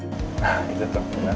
nah itu tuh